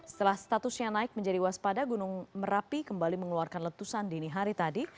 setelah statusnya naik menjadi waspada gunung merapi kembali mengeluarkan letusan dini hari tadi